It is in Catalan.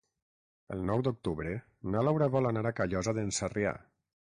El nou d'octubre na Laura vol anar a Callosa d'en Sarrià.